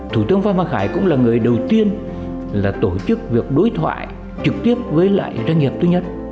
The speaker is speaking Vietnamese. thủ tướng phan văn khải cũng là người đầu tiên là tổ chức việc đối thoại trực tiếp với lại doanh nghiệp thứ nhất